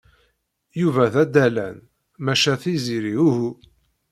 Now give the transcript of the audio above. Yuba d addalan, maca Tiziri uhu.